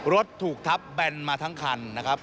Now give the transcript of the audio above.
รถถูกทับแบนมาทั้งคันนะครับ